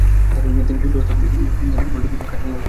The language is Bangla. তিনি সিদ্ধহস্ত, এ বলড কার্জন গর্ববোধ করতেন।